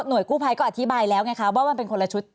กู้ภัยก็อธิบายแล้วไงคะว่ามันเป็นคนละชุด